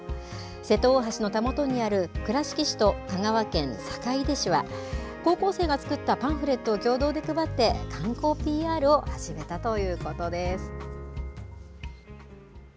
瀬戸大橋のたもとにある倉敷市と香川県坂出市は、高校生が作ったパンフレットを共同で配って、観光ＰＲを始めたということです。